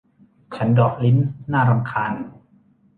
ฉันเดาะลิ้น น่ารำคาญ